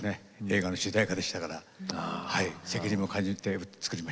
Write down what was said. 映画の主題歌でしたから責任も感じて作りました。